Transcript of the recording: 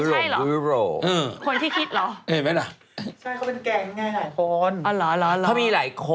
ฮ่องโกงแค่เนี้ย